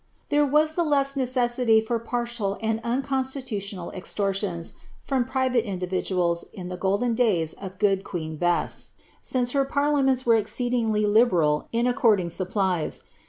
There was the less necessity for partial and unconstitutional extor tions from private individuals in the golden days of good queen Bess, since her parliaments were exceedingly liberal in according supplies.